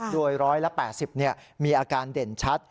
โดย๑๘๐มีอาการเด่นชัด